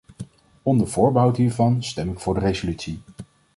Onder voorbehoud hiervan stem ik voor de resolutie.